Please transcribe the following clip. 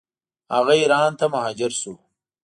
هغه ایران ته مهاجر شو.